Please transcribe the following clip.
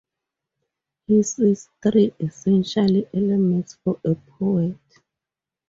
He sees three essential elements for a poet.